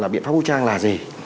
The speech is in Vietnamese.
biện pháp vũ trang là gì